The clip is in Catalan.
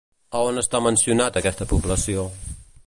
A on està mencionat aquesta població?